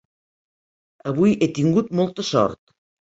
Avui he tingut molta sort.